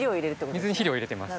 水に肥料を入れてます。